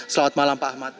selamat malam pak ahmad